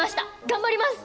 頑張ります！